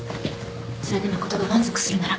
それで誠が満足するなら。